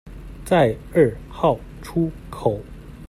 在二號出口